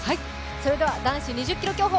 それでは男子２０ｋｍ競歩